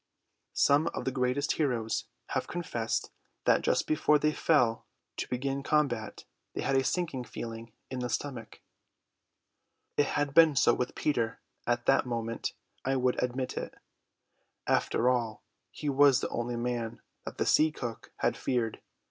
Some of the greatest heroes have confessed that just before they fell to they had a sinking. Had it been so with Peter at that moment I would admit it. After all, he was the only man that the Sea Cook had feared.